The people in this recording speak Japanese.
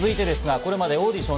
これまでオーディション